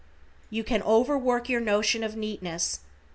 You can over work your notion of neatness.